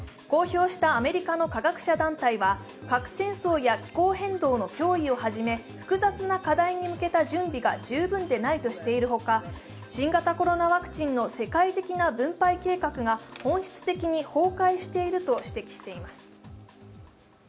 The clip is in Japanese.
公表したアメリカの科学者団体は、核戦争や気候変動の脅威をはじめ複雑な課題に向けた準備が十分でないとしているほか新型コロナワクチンの世界的な分配計画が本質的に崩壊していると指摘しています。